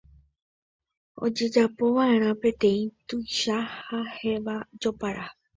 ojejapova'erã peteĩ tuicha ha héva jopara